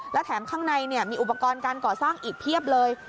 และแถมข้างในมีอุปกรณ์การก่อสร้างอีกเพียบเลย